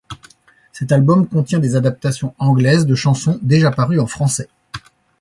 Cet album contient des adaptations anglaises de chansons déjà parues en français.